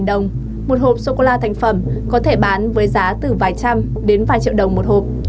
một đồng một hộp sô cô la thành phẩm có thể bán với giá từ vài trăm đến vài triệu đồng một hộp